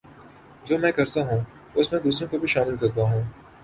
جو میں کرتا ہوں اس میں دوسروں کو بھی شامل کرتا ہوں